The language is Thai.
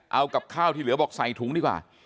เอากับข้าวที่เหลือบอกใส่ถุงดีกว่า